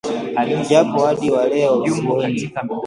Japo hadi wa leo, sioni